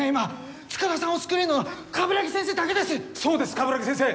鏑木先生！